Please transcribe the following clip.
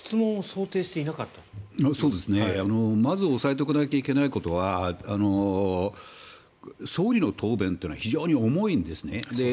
まず押さえておかなきゃいけないことは総理の答弁というのは非常に重いんですね。